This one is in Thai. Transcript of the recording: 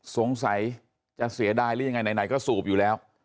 สงสัยจะเสียดายหรือยังไงไหนก็สูบอยู่แล้ว